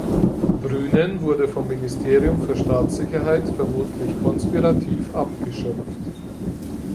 Brünen wurde vom Ministerium für Staatssicherheit vermutlich konspirativ abgeschöpft.